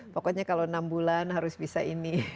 pokoknya kalau enam bulan harus bisa ini